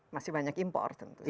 masih banyak impor tentu saja